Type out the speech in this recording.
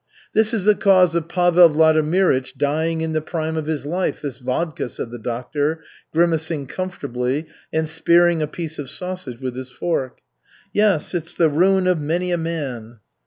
"This is the cause of Pavel Vladimirych dying in the prime of his life, this vodka," said the doctor, grimacing comfortably and spearing a piece of sausage with his fork. "Yes, it's the ruin of many a man."